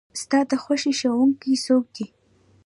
ستا د خوښې ښوونکي څوک دی؟